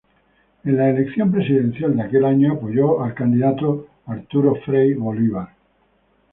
En la elección presidencial de aquel año apoyó al candidato Arturo Frei Bolivar.